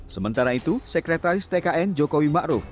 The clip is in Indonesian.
sementara itu sekretaris tkn jokowi ma'ruf